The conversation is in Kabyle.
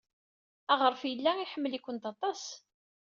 Aɣref yella iḥemmel-ikent aṭas.